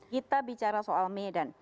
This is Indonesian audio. kita bicara soal medan